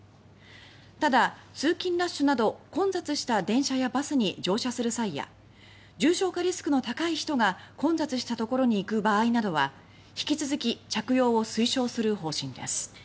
ただ、通勤ラッシュなど混雑した電車やバスに乗車する際は重症化リスクの高い人が混雑したところに行く場合などは引き続き着用を推奨する方針です。